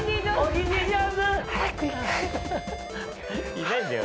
いないんだよ。